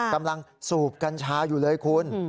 กำลังสูบกัญชาอยู่เลยคุณ